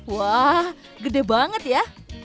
wah gede banget ya